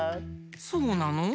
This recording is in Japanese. そうなの？